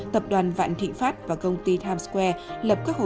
tập đoàn vạn thị phát và công ty times square lập các hồ sơ